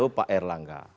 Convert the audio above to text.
itu pak erlangga